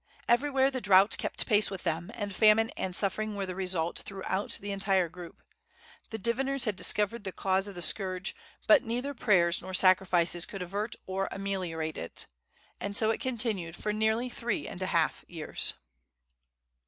Everywhere the drought kept pace with them, and famine and suffering were the result throughout the entire group. The diviners had discovered the cause of the scourge, but neither prayers nor sacrifices could avert or ameliorate it. And so it continued for nearly three and a half years.